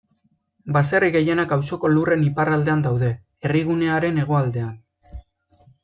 Baserri gehienak auzoko lurren iparraldean daude, herrigunearen hegoaldean.